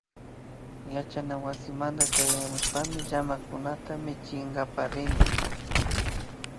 Yachanawasimanta chayamushpami llamakunata michinkapak rini